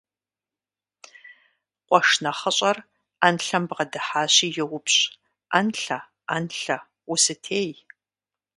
Къуэш нэхъыщӀэр Ӏэнлъэм бгъэдыхьащи йоупщӀ: – Ӏэнлъэ, Ӏэнлъэ, усытей?